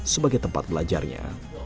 sebagai tempat belajarnya